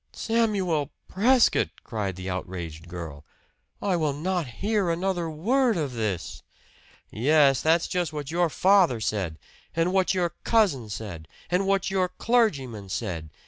"Samuel Prescott!" cried the outraged girl. "I will not hear another word of this!" "Yes, that's just what your father said! And what your cousin said! And what your clergyman said!